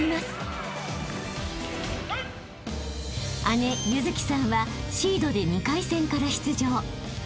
［姉優月さんはシードで２回戦から出場］